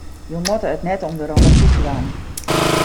Je moatte it net om de romantyk dwaan.